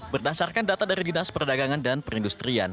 berdasarkan data dari dinas perdagangan dan perindustrian